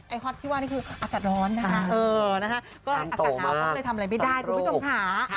ฮอตที่ว่านี่คืออากาศร้อนนะคะก็อากาศหนาวก็เลยทำอะไรไม่ได้คุณผู้ชมค่ะ